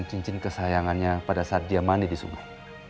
cincin kesayangannya pada saat dia mandi di sumur